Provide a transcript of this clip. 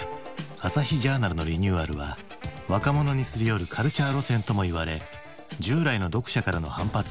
「朝日ジャーナル」のリニューアルは若者にすり寄る「軽チャー路線」ともいわれ従来の読者からの反発を呼んだ。